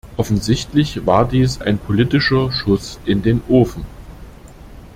Offensichtlich war dies ein politischer Schuss in den Ofen.